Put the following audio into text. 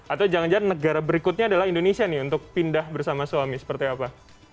atau jangan jangan negara berikutnya adalah indonesia nih untuk pindah bersama suami seperti apa